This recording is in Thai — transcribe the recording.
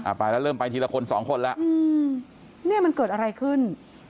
ไปแล้วเริ่มไปทีละคนสองคนแล้วอืมเนี่ยมันเกิดอะไรขึ้น